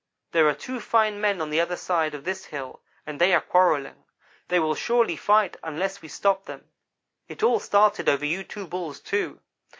There are two fine men on the other side of this hill, and they are quarrelling. They will surely fight unless we stop them. It all started over you two Bulls, too.